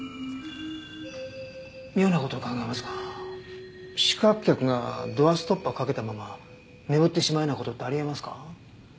妙な事を伺いますが宿泊客がドアストッパーをかけたまま眠ってしまうような事ってあり得ますか？